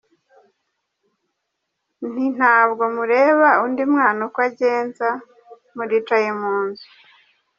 Nti ntabwo mureba Undi mwana uko agenza! Muricaye mu nzu.